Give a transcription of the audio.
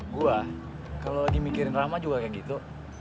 gua kalo lagi mikirin rahmat juga kayak gitu